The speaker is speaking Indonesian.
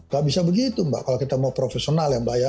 gak bisa begitu mbak kalau kita mau profesional ya mbak ya